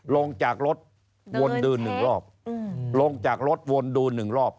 ลงจากรถวนดูหนึ่งรอบลงจากรถวนดูหนึ่งรอบ